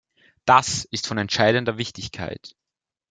Das ist von entscheidender Wichtigkeit.